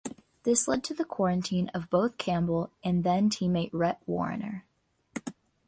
This led to the quarantine of both Campbell and then-teammate Rhett Warrener.